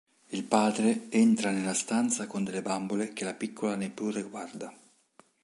Il padre entra nella stanza con delle bambole che la piccola neppure guarda.